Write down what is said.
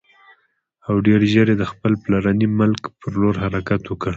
او ډېر ژر یې د خپل پلرني ملک پر لور حرکت وکړ.